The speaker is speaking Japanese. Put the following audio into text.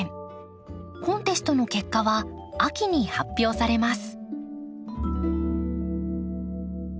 コンテストの結果は秋に発表されます。